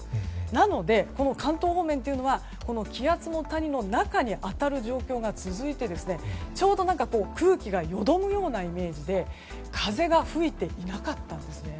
なので、この関東方面というのは気圧の谷の中に当たる状況が続いて、ちょうど空気がよどむようなイメージで風が吹いていなかったんですね。